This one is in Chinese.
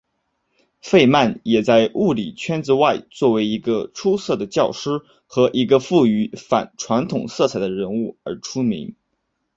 费曼也在物理圈子外作为一个出色的教师和一个富于反传统色彩的人物而出名。